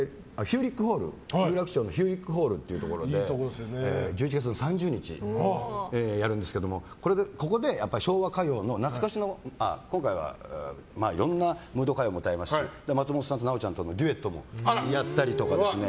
有楽町のヒューリックホールというところで１１月３０日にやるんですけどもここで昭和歌謡の懐かしの今回はいろんなムード歌謡も歌いますし松本さんと直ちゃんとのデュエットもやったり。